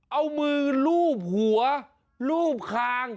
เอามือลูบหัวลูบคาง